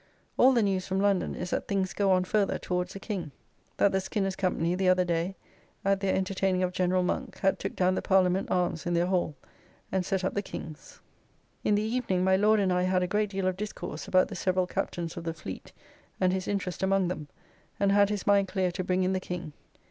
All the news from London is that things go on further towards a King. That the Skinners' Company the other day at their entertaining of General Monk had took down the Parliament Arms in their Hall, and set up the King's. In the evening my Lord and I had a great deal of discourse about the several Captains of the Fleet and his interest among them, and had his mind clear to bring in the King.